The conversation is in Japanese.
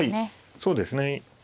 そうですね。